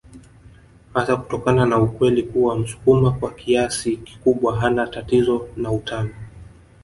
Hasa kutokana na ukweli kuwa msukuma kwa kiasi kikubwa hana tatizo na utani